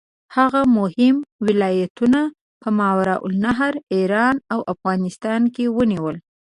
هغه مهم ولایتونه په ماوراالنهر، ایران او افغانستان کې ونیول.